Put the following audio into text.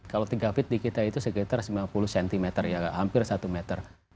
kalau tiga feet di kita itu sekitar sembilan puluh cm ya hampir satu meter